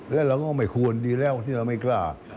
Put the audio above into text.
และเราก็ไม่ควรดีแล้วที่เราไม่กล้า